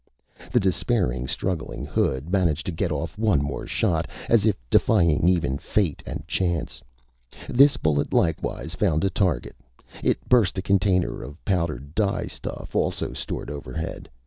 The despairing, struggling hood managed to get off one more shot, as if defying even fate and chance. This bullet likewise found a target. It burst a container of powdered dye stuff, also stored overhead.